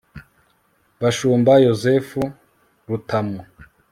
Bashumba Yozefu Rutamu